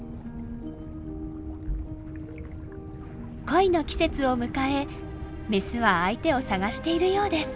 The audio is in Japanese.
恋の季節を迎えメスは相手を探しているようです。